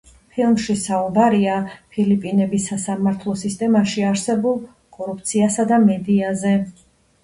ფილმში საუბარია ფილიპინების სასამართლო სისტემაში არსებულ კორუფციასა და მედიაზე.